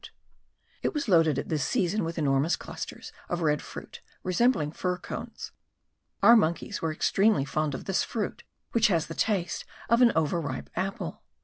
It was loaded at this season with enormous clusters of red fruit, resembling fir cones. Our monkeys were extremely fond of this fruit, which has the taste of an over ripe apple.